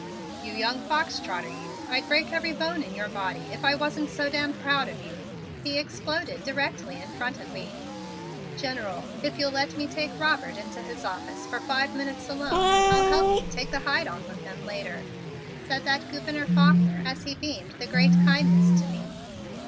"You young fox trotter, you, I'd break every bone in your body if I wasn't so damned proud of you," he exploded directly in front of me. "General, if you'll let me take Robert into his office for five minutes alone I'll help you take the hide off of him later," said that Gouverneur Faulkner as he beamed the great kindness to me.